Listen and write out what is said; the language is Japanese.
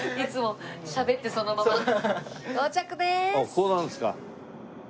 ここなんですか。